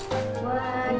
lain selain dokter